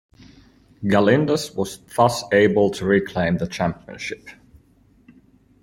Galindez was thus able to reclaim the championship.